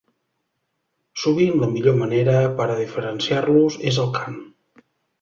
Sovint la millor manera per a diferenciar-los és el cant.